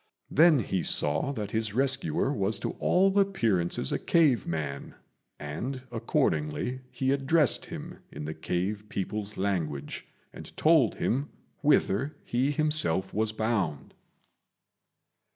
Then he saw that his rescuer was to all appearances a cave man, and accordingly he addressed him in the cave people's language, and told him whither he himself was bound.